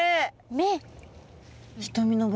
目。